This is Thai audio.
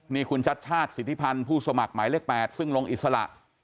นี่คุณชัดชาติสิทธิพันธ์ผู้สมัครหมายเลข๘ซึ่งลงอิสระ